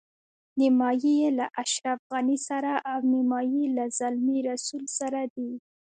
نیمایي یې له اشرف غني سره او نیمایي له زلمي رسول سره دي.